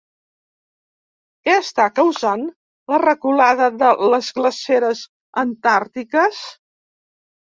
Què està causant la reculada de les glaceres antàrtiques?